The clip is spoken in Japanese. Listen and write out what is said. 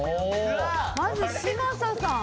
まず嶋佐さん。